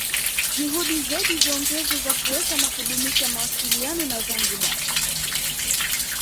Juhudi zaidi ziongezwe za kuweka na kudumisha mawasiliano na Zanzibari